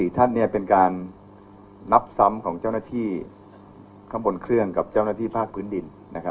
ท่านเป็นการนับซ้ำของเจ้าหน้าที่ข้างบนเครื่องกับเจ้าหน้าที่ภาคพื้นดิน